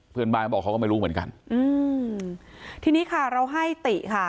เขาบอกเขาก็ไม่รู้เหมือนกันอืมทีนี้ค่ะเราให้ติค่ะ